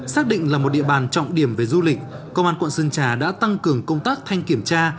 xác định là một địa bàn trọng điểm về du lịch công an quận sơn trà đã tăng cường công tác thanh kiểm tra